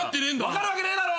分かるわけねえだろ。